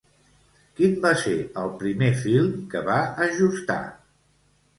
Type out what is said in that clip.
Quin va ser el primer film que va ajustar?